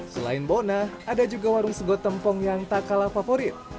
selain bona ada juga warung segotempong yang tak kalah favorit